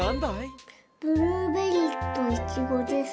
ブルーベリーとイチゴです。